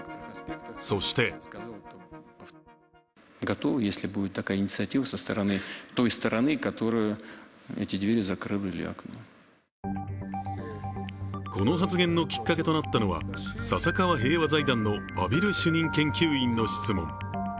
そしてこの発言のきっかけとなったのは笹川平和財団の畔蒜主任研究員の質問。